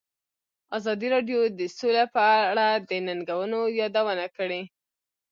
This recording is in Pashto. ازادي راډیو د سوله په اړه د ننګونو یادونه کړې.